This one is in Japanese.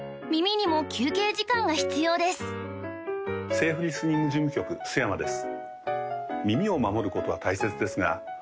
セーフリスニング事務局須山です